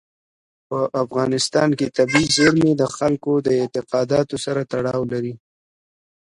په افغانستان کې طبیعي زیرمې د خلکو د اعتقاداتو سره تړاو لري.